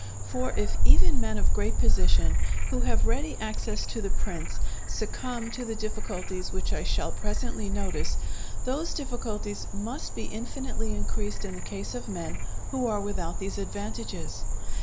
For if even men of great position, who have ready access to the prince, succumb to the difficulties which I shall presently notice, those difficulties must be infinitely increased in the case of men who are without these advantages.